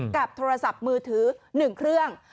โทรศัพท์มือถือ๑เครื่อง